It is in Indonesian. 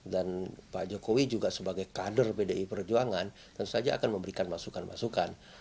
dan pak jokowi juga sebagai kader pdi perjuangan tentu saja akan memberikan masukan masukan